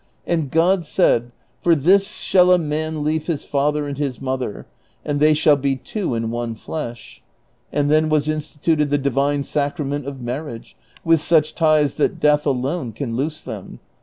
And God said, ' For this shall a man leave his father and his mother, and they shall be two in one flesh ;' and then was instituted the divine sacrament of marriage, with such ties that death alone can loose them.